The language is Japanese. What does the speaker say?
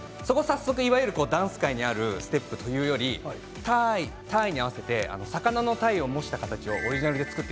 いわゆるダンス界にあるステップというよりもたい、に合わせて魚の鯛を模した形です。